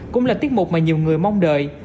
cũng là tiết mục mà nhiều người mong đợi